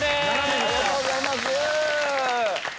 ありがとうございます。